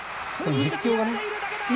実況がね。